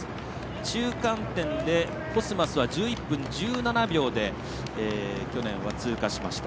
中間点で、コスマスは１１分１７秒で去年は通過しました。